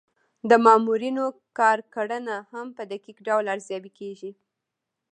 د مامورینو کارکړنه هم په دقیق ډول ارزیابي کیږي.